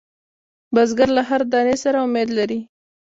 بزګر له هر دانې سره امید لري